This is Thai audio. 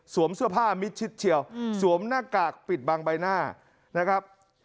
เสื้อผ้ามิดชิดเชียวสวมหน้ากากปิดบางใบหน้านะครับ